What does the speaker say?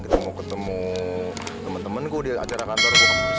kita mau ketemu temen temenku di acara kantor